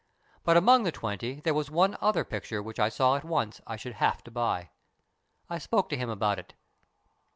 But among the twenty there was one other picture which I saw at once I should have to buy. I asked him about it.